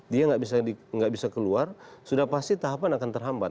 dia nggak bisa keluar sudah pasti tahapan akan terhambat